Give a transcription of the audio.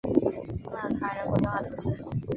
曼戈人口变化图示